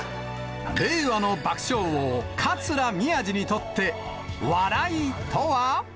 令和の爆笑王、桂宮治にとって、笑いとは。